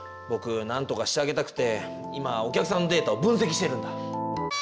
ぼくなんとかしてあげたくて今お客さんのデータを分析しているんだ。